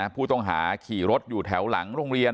ผู้ต้องหาขี่รถอยู่แถวหลังโรงเรียน